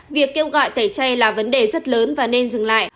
việc kêu gọi tẩy chay là vấn đề rất lớn và nên dừng lại